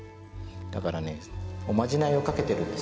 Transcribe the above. だからねおまじないをかけてるんです。